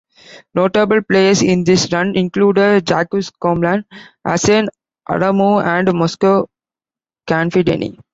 Notable players in this run included Jacques Komlan, Hassane Adamou and Moussa Kanfideni.